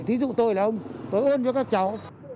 thí dụ tôi là ông tôi ôn cho các cháu